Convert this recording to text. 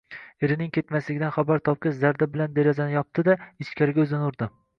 Erining ketmasligidan xabar topgach, zarda bilan derazani yopdi-da, ichkariga o`zini urdi